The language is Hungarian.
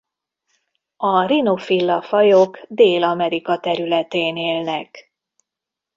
A Rhinophylla-fajok Dél-Amerika területén élnek.